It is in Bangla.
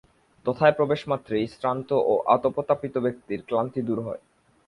তথায় প্রবেশমাত্রেই শ্রান্ত ও আতপতাপিত ব্যক্তির ক্লান্তি দূর হয়।